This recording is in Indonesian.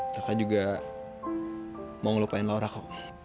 kakak juga mau ngelupain laura kok